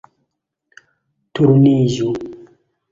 Turniĝu